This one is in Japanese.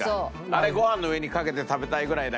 あれご飯の上にかけて食べたいぐらいだけど。